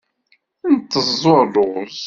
Nteẓẓu rruẓ.